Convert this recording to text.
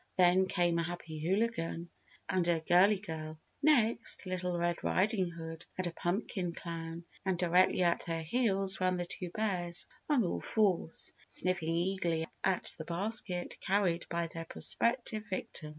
Then came a Happy Hooligan and a Girlie Girl; next, Little Red Riding Hood and a Pumpkin Clown and directly at their heels ran the two bears on all fours, sniffing eagerly at the basket carried by their prospective victim.